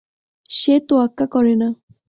সে তোয়াক্কা করে না।